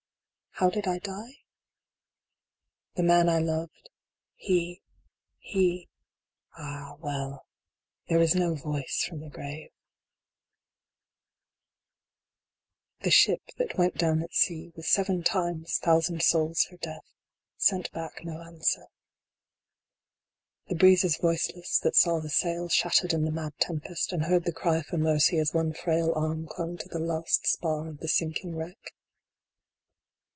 V. How did I die ? The man I loved he he ah, well ! There is no voice from the grave. RESURGAM. 13 The ship that went down at sea, with seven times thousand souls for Death, sent back no answer. The breeze is voiceless that saw the sails shattered in the mad tempest, and heard the cry for mercy as one frail arm clung to the last spar of the sinking wreck.